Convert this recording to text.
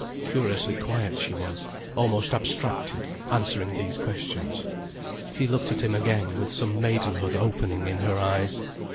Curiously quiet she was, almost abstracted, answering these questions. She looked at him again, with some maidenhood opening in her eyes.